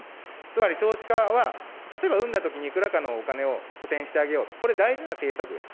つまり、少子化は、例えば産んだときにいくらかのお金を補填してあげよう、これは大事な政策です。